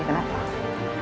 tante sofia meninggal